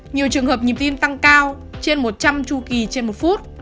nhiều trường hợp nhịp tim tăng cao trên một trăm linh chu kỳ trên một phút